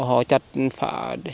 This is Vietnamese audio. họ chặt phá